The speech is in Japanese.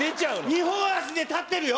２本足で立ってるよ！